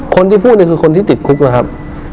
คนที่พูดเนี่ยคือคนที่ติดคุกนะครับ